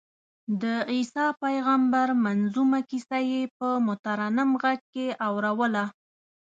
د عیسی پېغمبر منظمومه کیسه یې په مترنم غږ کې اورووله.